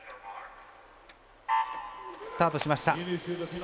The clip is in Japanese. スタートしました。